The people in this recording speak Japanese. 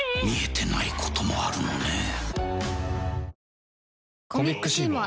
見えてないこともあるのね。